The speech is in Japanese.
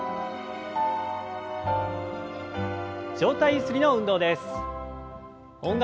上体ゆすりの運動です。